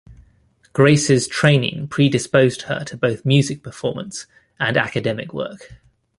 Grace's training predisposed her to both music performance and academic work.